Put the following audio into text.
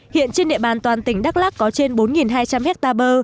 hiện trên địa bàn toàn tỉnh đắk lắc có trên bốn hai trăm linh hectare bơ